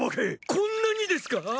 こんなにですか！？